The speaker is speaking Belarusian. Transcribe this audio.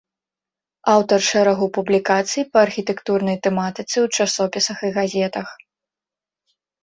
Аўтар шэрагу публікацый па архітэктурнай тэматыцы ў часопісах і газетах.